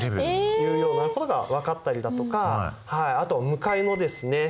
いうようなことが分かったりだとかあと向かいのですね